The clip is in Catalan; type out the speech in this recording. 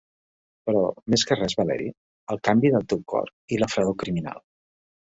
Però, més que res, Valeri, el canvi del teu cor, i la fredor criminal.